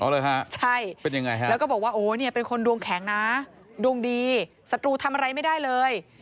แล้วก็บอกว่าเป็นคนดวงแข็งนะดวงดีสตูทำอะไรไม่ได้เลย